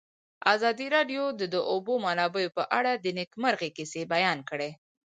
ازادي راډیو د د اوبو منابع په اړه د نېکمرغۍ کیسې بیان کړې.